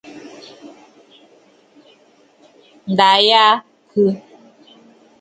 Ǹda ya ɨ khɨ.